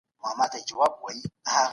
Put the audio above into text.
کیمیاوي مواد یوازې ژوند لږ اوږدوي.